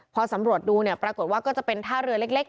พอสำรวจดูเนี่ยปรากฏว่าก็จะเป็นท่าเรือเล็ก